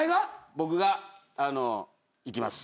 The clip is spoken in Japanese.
僕がいきます。